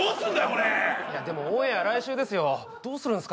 これいやでもオンエア来週ですよどうするんすか？